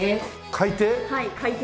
海底？